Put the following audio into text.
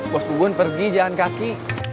bos tubun pergi jalan kaki